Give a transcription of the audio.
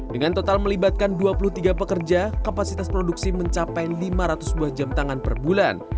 dengan total melibatkan dua puluh tiga pekerja kapasitas produksi mencapai lima ratus buah jam tangan per bulan